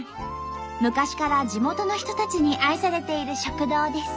昔から地元の人たちに愛されている食堂です。